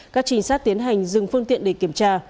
các trình sát tiến hành dừng phương tiện để kiểm tra